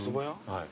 はい。